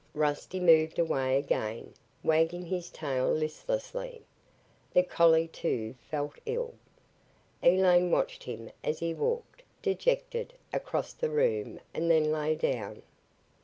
Rusty moved away again, wagging his tail listlessly. The collie, too, felt ill. Elaine watched him as he walked, dejected, across the room and then lay down.